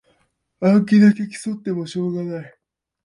暗記だけ競ってもしょうがない